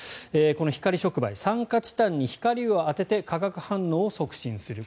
この光触媒酸化チタンに光を当てて化学反応を促進する。